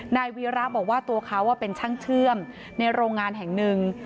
นายวีระบอกว่าตัวเขาเป็นช่างเชื่อมในโรงงานแห่งหนึ่ง